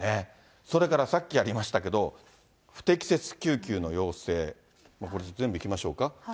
それからさっきありましたけど、不適切救急の要請、もうこれ全部いきましょうか。